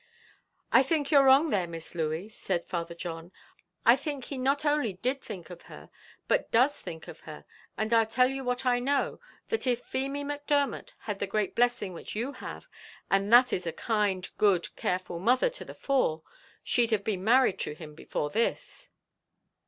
"I think you're wrong there, Miss Louey," said Father John; "I think he not only did think of her but does think of her; and I'll tell you what I know, that if Feemy Macdermot had the great blessing which you have, and that is a kind, good, careful mother to the fore, she'd have been married to him before this."